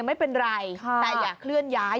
ไม่เป็นไรแต่อย่าเคลื่อนย้าย